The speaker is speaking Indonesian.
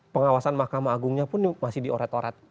pengawasan mahkamah agungnya pun masih dioret oret